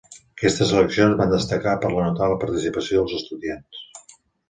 Aquestes eleccions van destacar per la notable participació dels estudiants.